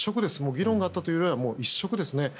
議論があったというよりも一色ですね。